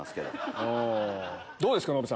どうですか？